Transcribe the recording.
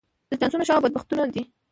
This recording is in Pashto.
دا چانسونه ښه او بد بختونه دي.